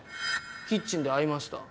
キッチンで会いました。